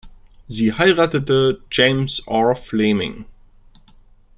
Sie heiratete James Orr Fleming.